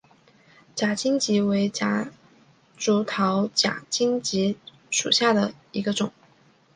假金桔为夹竹桃科假金桔属下的一个种。